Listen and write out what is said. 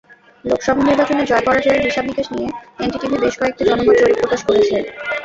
লোকসভা নির্বাচনে জয়-পরাজয়ের হিসাব-নিকাশ নিয়ে এনডিটিভি বেশ কয়েকটি জনমত জরিপ প্রকাশ করেছে।